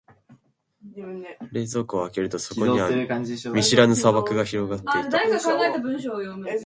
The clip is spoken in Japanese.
冷蔵庫を開けると、そこには見知らぬ砂漠が広がっていた。